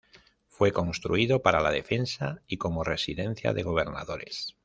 Fue construido para la defensa y como residencia de gobernadores.